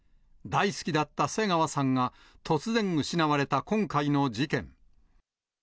大好きだった瀬川さんが突然失われた今回の事件。